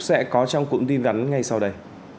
sẽ có trong cụm tin đắn ngay sau đây